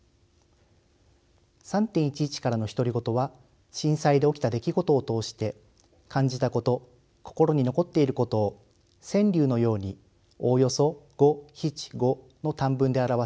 「３．１１からの独り言」は震災で起きた出来事を通して感じたこと心に残っていることを川柳のようにおおよそ五七五の短文で表す表現手法です。